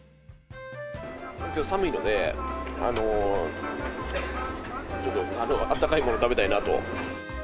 きょう寒いので、ちょっとあったかいものを食べたいなと。